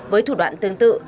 với thủ đoạn tương tự